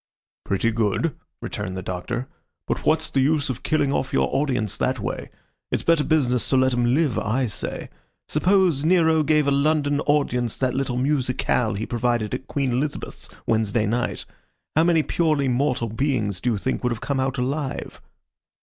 "Pretty good," returned the Doctor. "But what's the use of killing off your audience that way? It's better business to let 'em live, I say. Suppose Nero gave a London audience that little musicale he provided at Queen Elizabeth's Wednesday night. How many purely mortal beings, do you think, would have come out alive?"